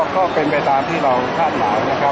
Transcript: ก็เป็นไปตามที่เราคาดหมายนะครับ